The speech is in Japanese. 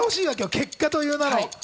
結果という名の。